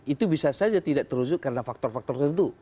itu bisa saja tidak terwujud karena faktor faktor tertentu